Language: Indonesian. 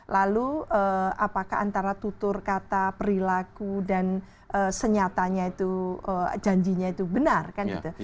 lalu apakah antara tutur kata perilaku dan senyatanya itu janjinya itu benar kan gitu